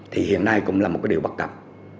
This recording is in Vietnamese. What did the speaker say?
thì hiện nay cũng là một cái điều bắt tập